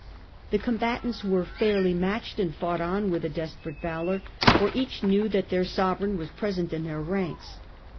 The com batants were fairly matched, and fought on The battle with a desperate valour, for each knew that of Tap®, their sovereign was present in their ranks.